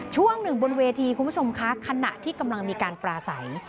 ช่วงหนึ่งบนเวทีคุณผู้ชมคะขณะที่กำลังมีการปลาใส